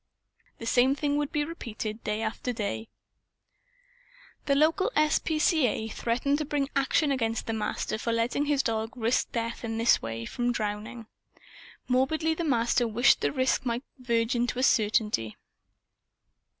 The same thing would be repeated day after day. The local S.P.C.A. threatened to bring action against the Master for letting his dog risk death, in this way, from drowning. Morbidly, the Master wished the risk might verge into a certainty.